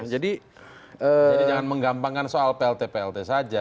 jadi jangan menggambangkan soal plt plt saja